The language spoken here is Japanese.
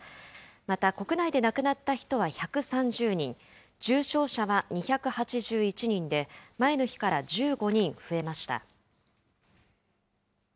また、国内で亡くなった人は１３０人、重症者は２８１人で、前の日から１５人増えました。